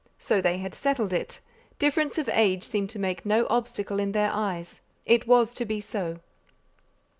So they had settled it; difference of age seemed to make no obstacle in their eyes: it was to be so.